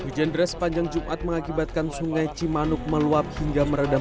hujan deras panjang jumat mengakibatkan sungai cimanuk meluap hingga meredam